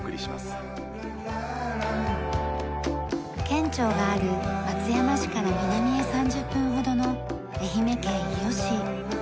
県庁がある松山市から南へ３０分ほどの愛媛県伊予市。